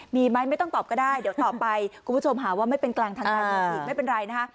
มีไหมไม่ต้องตอบก็ได้เดี๋ยวต่อไปคุณผู้ชมหาว่าไม่เป็นกลางทางการเมืองอีกไม่เป็นไรนะคะ